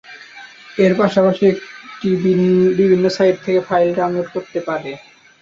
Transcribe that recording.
এর পাশাপাশি এটি বিভিন্ন সাইট থেকে ফাইল ডাউনলোড করতে পারে।